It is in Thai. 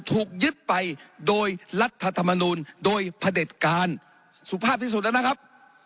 ถูกยึดไปโดยรัฐธรรมนูลโดยพระเด็จการสุภาพที่สุดแล้วนะครับ